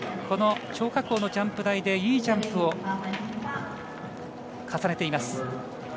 この張家口のジャンプ台でいいジャンプを重ねています。